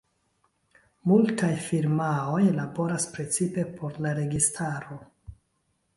Multaj firmaoj laboras precipe por la registaro.